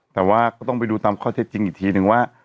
แต่ว่าก็ต้องไปดูตามข้อเท็จจริงอีกทีนึงว่า